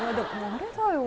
「あれだよ」